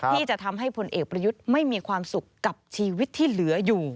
ที่จะทำให้พลเอกประยุทธ์ไม่มีความสุขกับชีวิตที่เหลืออยู่